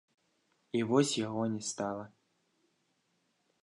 І вось яго не стала.